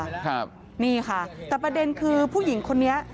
ครับนี่ค่ะแต่ประเด็นคือผู้หญิงคนนี้